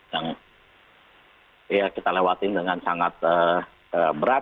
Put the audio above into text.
yang kita lewatin dengan sangat berat